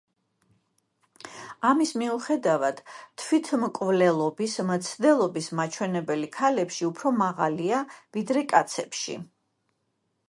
ამის მიუხედავად, თვითმკვლელობის მცდელობის მაჩვენებელი ქალებში უფრო მაღალია, ვიდრე კაცებში.